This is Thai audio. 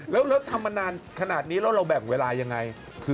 แล้วทำมานานขนาดนี้แล้วเราแบ่งเวลายังไง